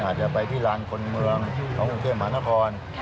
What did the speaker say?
อาจจะไปที่ล้านคนเมืองต้องเพื่อหมายนคร